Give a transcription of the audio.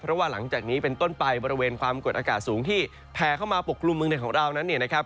เพราะว่าหลังจากนี้เป็นต้นไปบริเวณความกดอากาศสูงที่แผ่เข้ามาปกกลุ่มเมืองในของเรานั้นเนี่ยนะครับ